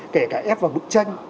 kể cả ép vào bức tranh